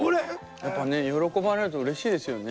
やっぱね喜ばれるとうれしいですよね。